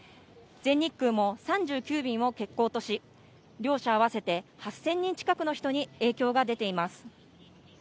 全日空も３９便を欠航とし、両社合わせて８０００人近くの人に影響が出ています。